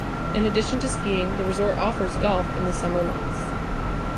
In addition to skiing, the resort offers golf in the summer months.